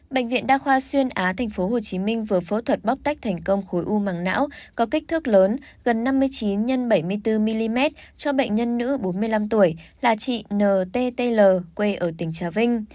bệnh viện đa khoa xuyên á tp hcm vừa phẫu thuật bóc tách thành công khối u màng não có kích thước lớn gần năm mươi chín x bảy mươi bốn mm cho bệnh nhân nữ bốn mươi năm tuổi là chị nttl quê ở tỉnh trà vinh